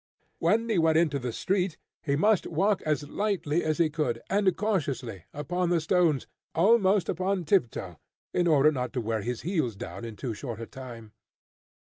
When he went into the street, he must walk as lightly as he could, and as cautiously, upon the stones, almost upon tiptoe, in order not to wear his heels down in too short a time.